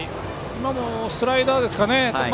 今もスライダーですかね。